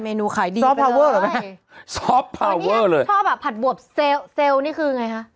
แต่อาจจะส่งมาแต่อาจจะส่งมา